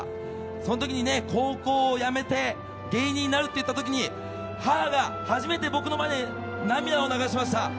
その時に、高校を辞めて芸人になるって言った時に母が初めて僕の前で涙を流しました。